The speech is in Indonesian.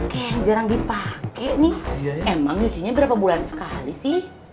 kayaknya jarang dipake nih emang nyucinya berapa bulan sekali sih